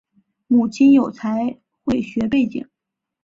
母亲有财会学背景。